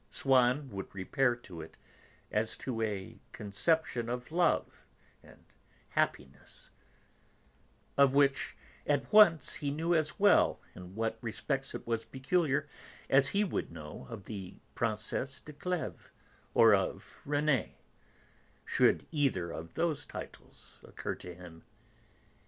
Swann would repair to it as to a conception of love and happiness, of which at once he knew as well in what respects it was peculiar as he would know of the Princesse de Clèves, or of René, should either of those titles occur to him.